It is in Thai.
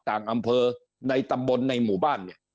ต่างอำเภอในตำบลในหมู่บ้านเนี่ย